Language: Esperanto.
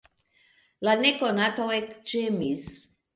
La nekonato ekĝemis.